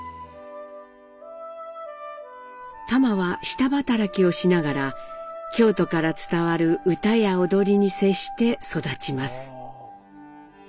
タマは下働きをしながら京都から伝わる唄や踊りに接して育ちます。